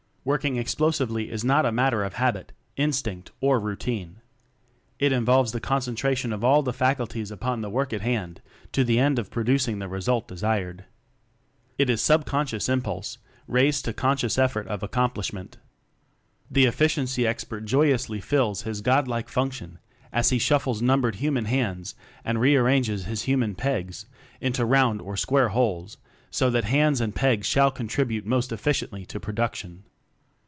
Working Explosively is not a matter of habit, instinct, or routine. It involves the concentration of all the faculties upon the work in hand to the end of producing the result desired. It is subconscious impulse raised to conscious effort of accom plishment. The Efficiency Expert joyously fills his God like function as he shuffles numbered human 'hands" and rearranges his human "pegs" into round or square holes, so that "hands" and "pegs" shall contribute most efficiently to production.